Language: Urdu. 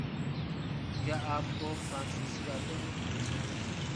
کیا اپ کو فرانسیسی آتی ہے؟